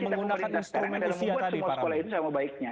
kita cita cita kualitas sekarang dalam membuat semua sekolah itu sama baiknya